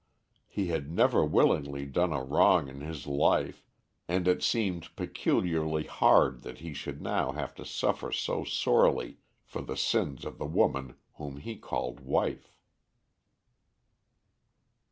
He had never willingly done a wrong in his life, and it seemed peculiarly hard that he should now have to suffer so sorely for the sins of the woman whom he called wife.